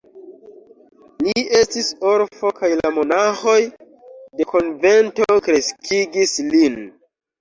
Li estis orfo kaj la monaĥoj de konvento kreskigis lin.